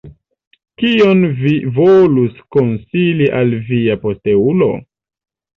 Kion vi volus konsili al via posteulo?